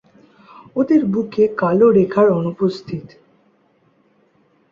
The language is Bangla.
ওদের বুকে কালো রেখার অনুপস্থিত।